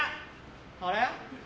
あれ？